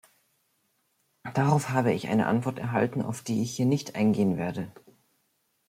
Darauf habe ich eine Antwort erhalten, auf die ich hier nicht eingehen werde.